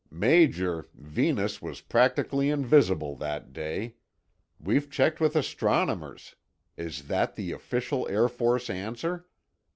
"Major, Venus; was practically invisible that day. We've checked with astronomers. Is that the official Air Force answer?"